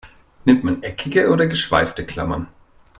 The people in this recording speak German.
Nimmt man eckige oder geschweifte Klammern?